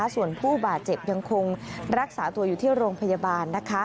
ส่วนผู้บาดเจ็บยังคงรักษาตัวอยู่ที่โรงพยาบาล